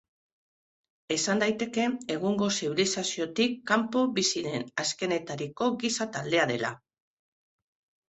Esan daiteke egungo zibilizaziotik kanpo bizi den azkenetariko giza-taldea dela.